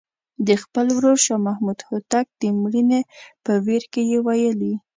د خپل ورور شاه محمود هوتک د مړینې په ویر کې یې ویلي.